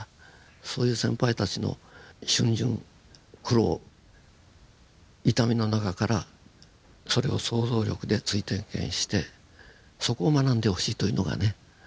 そういう先輩たちの逡巡苦労痛みの中からそれを想像力で追体験してそこを学んでほしいというのがね